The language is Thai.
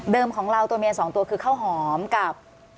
ของเราตัวเมีย๒ตัวคือข้าวหอมกับ